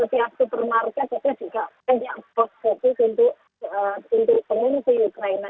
setiap supermarket kita juga punya posto itu untuk pengungsi ukraina